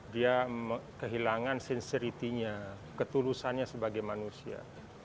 dia kehilangan sincerity nya ketulusannya sebagai manusia